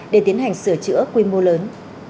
để tiến hành sửa chữa quy mô lớn